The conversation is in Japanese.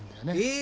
え！